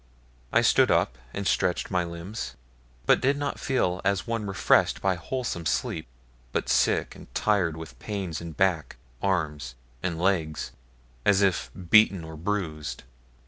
I stood up and stretched my limbs, but did not feel as one refreshed by wholesome sleep, but sick and tired with pains in back, arms, and legs, as if beaten or bruised.